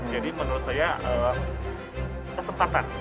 jadi menurut saya kesempatan